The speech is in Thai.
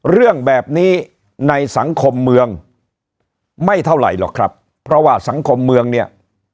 เรื่องแบบนี้ในสังคมเมืองไม่เท่าไหร่หรอกครับเพราะว่าสังคมเมืองเนี่ย